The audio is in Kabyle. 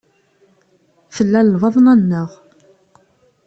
Tella d lbaḍna-nneɣ.